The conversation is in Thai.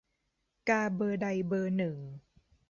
กาเบอร์ใด "เบอร์หนึ่ง"